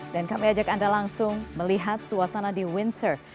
dan kami ajak anda langsung melihat suasana di windsor